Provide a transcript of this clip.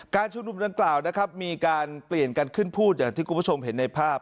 ชุมนุมดังกล่าวนะครับมีการเปลี่ยนกันขึ้นพูดอย่างที่คุณผู้ชมเห็นในภาพ